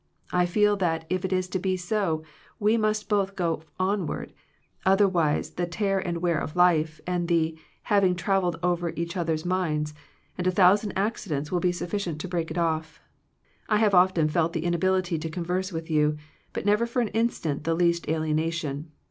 I feel that if it is to be so we must both go onward, otherwise the tear and wear of life, and the ' having travelled over each other's minds,' and a thousand accidents will be sufficient to break it off. I have often felt the inability to converse with you, but never for an instant the least alien ation.